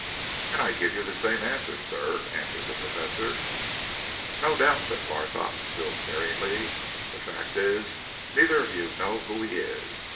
"And I give you the same answer, sir," answered the professor. "No doubt!" said Barthorpe, still sneeringly. "The fact is, neither of you know who he is.